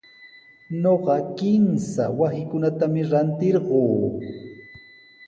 Ñuqa kimsa wasikunatami rantirquu.